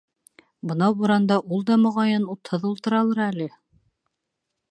Бынау буранда ул да, моғайын, утһыҙ ултыралыр әле.